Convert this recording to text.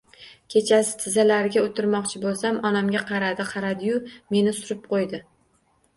Kechasi tizzalariga o'tirmoqchi bo'lsam, onamga qaradi, qaradiyu, meni surib ko'ydi.